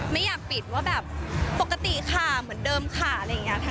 ไม่อยากปิดว่าแบบปกติค่ะเหมือนเดิมค่ะอะไรอย่างนี้ค่ะ